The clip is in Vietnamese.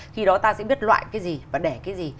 khi đó ta sẽ biết loại cái gì và để cái gì